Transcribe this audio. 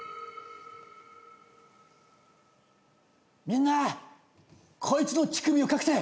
みんなこいつの乳首を隠せ！